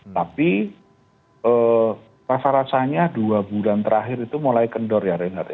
tapi rasa rasanya dua bulan terakhir itu mulai kendor ya reinhardt